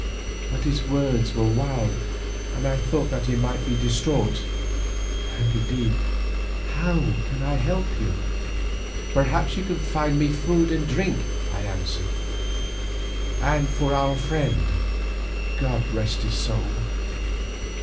But his words were wild and I thought that he might be distraught. And indeed how can I help you?" "Perhaps you can find me food and drink," I answered, "and for our friend, God rest his soul.